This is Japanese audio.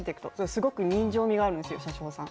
すごく人情味があるんですよ、車掌さん。